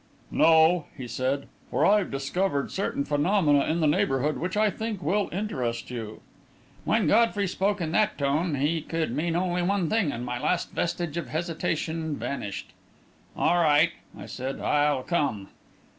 "No," he said, "for I've discovered certain phenomena in the neighbourhood which I think will interest you." When Godfrey spoke in that tone, he could mean only one thing, and my last vestige of hesitation vanished. "All right," I said; "I'll come."